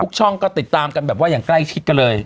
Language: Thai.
ช่องก็ติดตามกันแบบว่าอย่างใกล้ชิดกันเลย